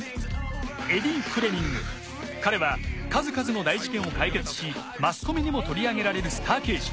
エディ・フレミング彼は数々の大事件を解決しマスコミにも取り上げられるスター刑事。